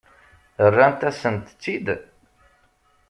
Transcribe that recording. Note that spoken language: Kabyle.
Rrant-asent-tt-id?